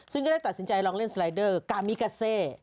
ซึ่งก็ได้ตัดสินใจลองเล่นสไลเดอร์กามิกาเซ